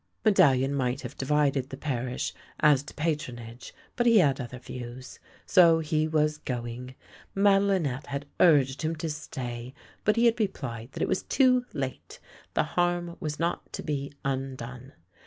Medallion might have divided the parish 14 THE LANE THAT HAD NO TURNING as to patronage, but he had other views. So he was going. MadeHnette had urged him to stay, but he had repHed that it was too late. The harm was not to be undone.